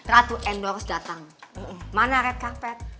ratu endorse datang mana red carpet